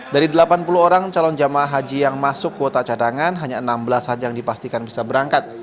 dari delapan puluh orang calon jemaah haji yang masuk kuota cadangan hanya enam belas saja yang dipastikan bisa berangkat